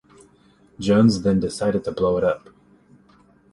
Jones then decided to blow it up.